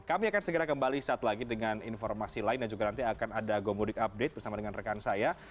kami akan segera kembali saat lagi dengan informasi lain dan juga nanti akan ada gomudik update bersama dengan rekan saya